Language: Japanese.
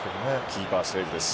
キーパー、セーブです。